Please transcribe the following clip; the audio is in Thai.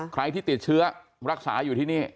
ใครที่ติดเชื้อรักษาอยู่ที่นี่